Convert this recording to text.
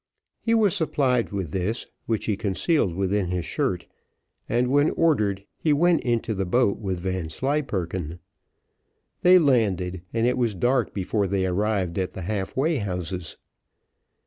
He was supplied with this, which he concealed within his shirt, and when ordered, he went into the boat with Vanslyperken. They landed, and it was dark before they arrived at the half way houses.